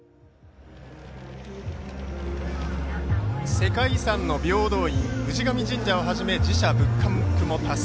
世界遺産の平等院氏神神社をはじめ寺社仏閣も多数。